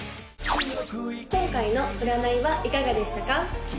今回の占いはいかがでしたか？